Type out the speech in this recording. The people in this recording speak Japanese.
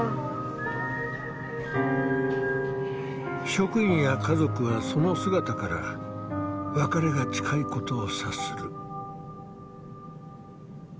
職員や家族はその姿から別れが近いことを察する。